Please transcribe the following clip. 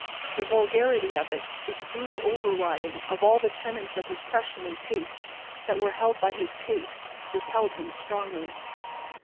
The vulgarity of it, its brutal overriding of all the tenets of repression and taste that were held by his caste, repelled him strongly.